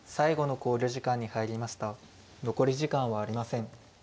残り時間はありません。